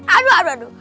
aduh aduh aduh